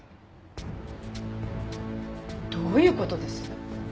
どういうことです？